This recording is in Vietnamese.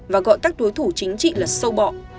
và gọi các đối thủ chính trị là sâu bọ